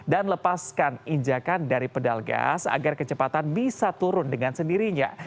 dan lepaskan injakan dari pedal gas agar kecepatan bisa turun dengan sendirinya